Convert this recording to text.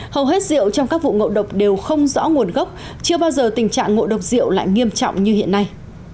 hầu hết rượu trong các vụ ngộ độc đều không rõ nguồn gốc chưa bao giờ tình trạng ngộ độc rượu lại nghiêm trọng như hiện nay